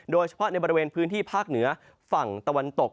โดยเฉพาะในบริเวณพื้นที่ภาคเหนือฝั่งตะวันตก